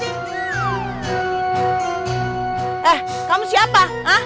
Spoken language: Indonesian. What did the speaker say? eh kamu siapa